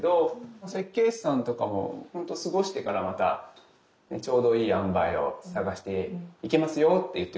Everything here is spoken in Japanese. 設計士さんとかもほんと「過ごしてからまたちょうどいいあんばいを探していけますよ」って言ってくれたので。